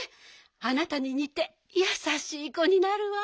あなたににてやさしいこになるわ。